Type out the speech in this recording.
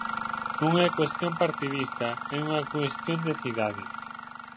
Non é unha cuestión partidista, é unha cuestión de cidade.